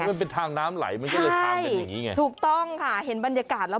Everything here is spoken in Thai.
มันเป็นทางน้ำไหลมันก็เลยทางจากนี้ไงใช่ถูกต้องค่ะ